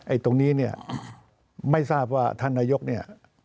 ตรงนี้เนี่ยไม่ทราบว่าท่านนายกเนี่ย